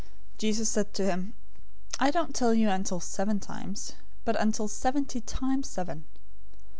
018:022 Jesus said to him, "I don't tell you until seven times, but, until seventy times seven.